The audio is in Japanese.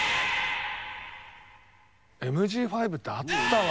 ＭＧ５ってあったわ。